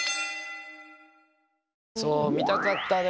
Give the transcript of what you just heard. そう見たかったね。